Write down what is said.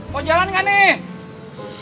mau jalan gak nih